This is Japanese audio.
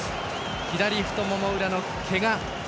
左太もも裏のけが。